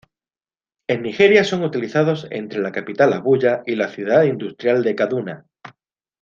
En Nigeria, son utilizados entre la capital Abuya y la ciudad industrial de Kaduna.